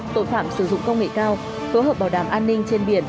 tội phạm sử dụng công nghệ cao phối hợp bảo đảm an ninh trên biển